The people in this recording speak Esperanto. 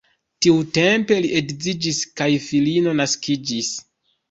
Tiutempe li edziĝis kaj filino naskiĝis.